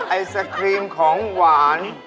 ไอศครีมของหวาน